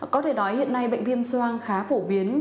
có thể nói hiện nay bệnh viêm soang khá phổ biến